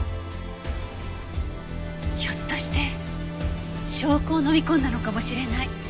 ひょっとして証拠を飲み込んだのかもしれない。